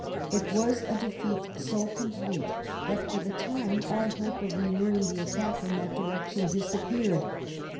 It was a defeat so complete that for the time all hope of renewing the attack in that direction disappeared.